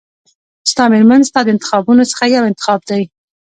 ستا مېرمن ستا د انتخابونو څخه یو انتخاب دی.